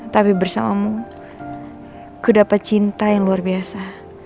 tapi bersamamu kudapat cinta yang luar biasa